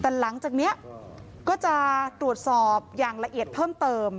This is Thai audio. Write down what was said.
แต่หลังจากนี้ก็จะตรวจสอบอย่างละเอียดเพิ่มเติม